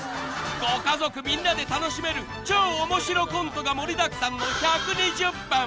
［ご家族みんなで楽しめる超面白コントが盛りだくさんの１２０分！］